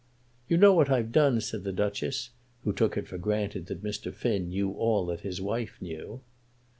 "You know what I've done," said the Duchess, who took it for granted that Mr. Finn knew all that his wife knew.